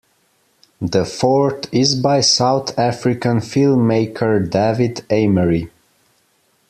The fourth is by South African filmmaker David Emery.